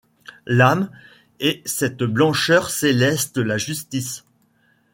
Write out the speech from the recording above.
L'âme, et cette blancheur céleste, la justice ;